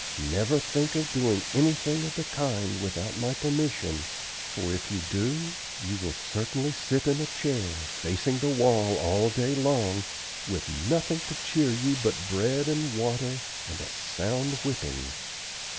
Never think of doing anything of the kind without my permission, for if you do, you will certainly sit in a chair, facing the wall, all day long, with nothing to cheer you but bread and water and a sound whipping.